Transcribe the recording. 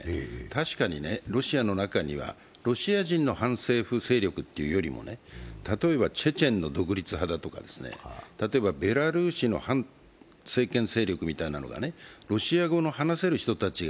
確かにロシアの中には、ロシア人の反政府勢力というよりは例えばチェチェンの独立派だとか、例えばベラルーシの反政権勢力みたいな、ロシア語を話せる人が